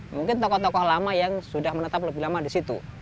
mungkin tokoh tokoh lama yang sudah menetap lebih lama di situ